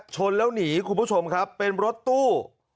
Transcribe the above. ชนแล้วหนีคุณผู้ชมครับเป็นรถตู้